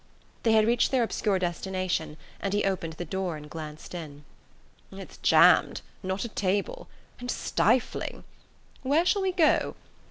They had reached their obscure destination and he opened the door and glanced in. "It's jammed not a table. And stifling! Where shall we go?